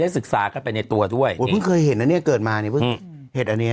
ให้ศึกษากันไปในตัวด้วยเพื่อเห็นอันเนี้ยเกิดมานานเนี้ย